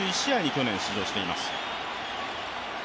去年、出場しています。